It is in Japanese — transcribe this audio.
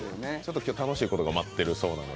今日、楽しいことが待ってるそうなんで。